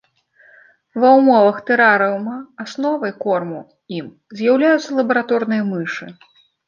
Ва ўмовах тэрарыума асновай корму ім з'яўляюцца лабараторныя мышы.